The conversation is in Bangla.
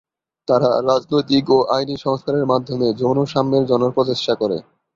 তারা রাজনৈতিক ও আইনি সংস্কারের মাধ্যমে যৌন সাম্যের জন্য প্রচেষ্টা করে।